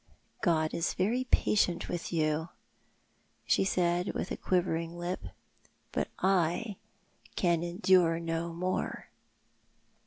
" God is very patient with you," she said, with a quivering lip, " but I can endure no more."